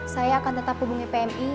saya akan tetap hubungi pmi